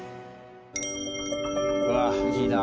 うわっいいな。